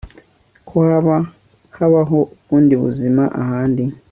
ko haba habaho ubundi buzima ahandi